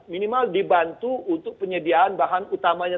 minimal dibantu untuk penyediaan bahan utamanya